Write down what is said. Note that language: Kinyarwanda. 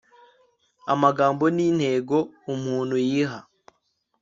amagambo ni intego umuntu yiha